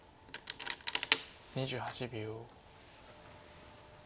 ２８秒。